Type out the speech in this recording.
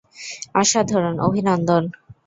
অসাধারণ, অভিনন্দন!